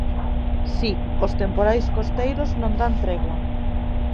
Si, os temporais costeiros non dan tregua.